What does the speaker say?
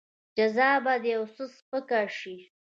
جزا به دې يو څه سپکه شي.